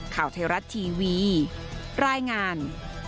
ข่าวไทยรัฐทีวีรายงาน